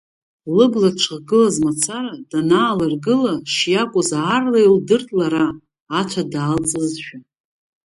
Лыбла дшыхгылаз мацара, данаалыдгыла шиакәыз аарла илдырт лара, ацәа даалҵызшәа.